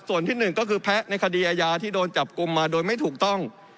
ส่วนที่หนึ่งก็คือแพ้ในคดีอาญาที่โดนจับกลุ่มมาโดยไม่ถูกต้อง